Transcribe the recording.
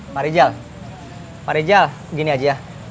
pak rijal pak rijal gini aja